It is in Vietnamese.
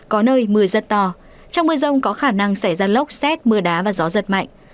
có nơi mưa rất to trong mưa rông có khả năng xảy ra lốc xét mưa đá và gió giật mạnh